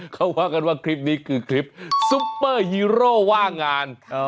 เขาว่ากันว่าคลิปนี้คือคลิปซุปเปอร์ฮีโร่ว่างงาน